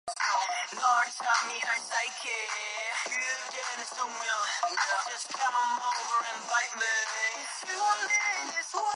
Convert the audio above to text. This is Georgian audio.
ხინალუღები გარესამუშაოზე იშვიათად დადიოდნენ.